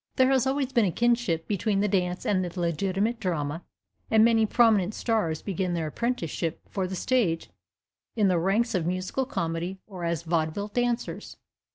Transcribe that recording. There has always been a kinship between the dance and the legitimate drama, and many prominent stars began their apprenticeship for the stage in the ranks of musical comedy or as vaudeville dancers.